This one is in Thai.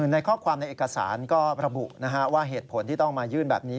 ในข้อความในเอกสารก็ระบุว่าเหตุผลที่ต้องมายื่นแบบนี้